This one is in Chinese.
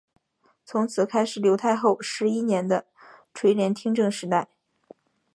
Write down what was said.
从此开始刘太后十一年的垂帘听政时代。